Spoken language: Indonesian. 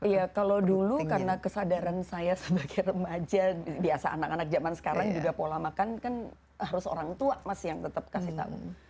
iya kalau dulu karena kesadaran saya sebagai remaja biasa anak anak zaman sekarang juga pola makan kan harus orang tua mas yang tetap kasih tahu